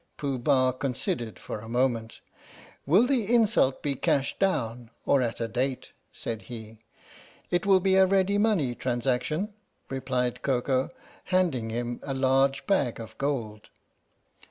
Pooh Bah considered for a moment. "Will the insult be cash down or at a date?" said he. 88 THE STORY OF THE MIKADO " It will be a ready money transaction," replied Koko, handing him a large bag of gold.